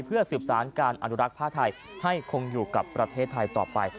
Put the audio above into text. เพื่อสืบสารการอนุรักษ์ผ้าไทยให้คงอยู่กับประเทศไทยต่อไป